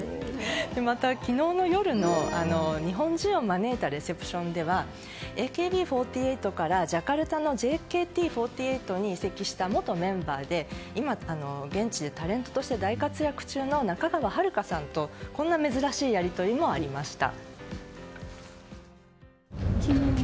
また昨日の夜の日本人を招いたレセプションではＡＫＢ４８からジャカルタのＪＫＴ４８に元メンバーで今、現地でタレントで大活躍中の仲川遥香さんと、こんな珍しいやり取りもありました。